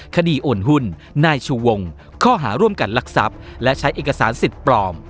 โอนหุ้นนายชูวงข้อหาร่วมกันลักทรัพย์และใช้เอกสารสิทธิ์ปลอม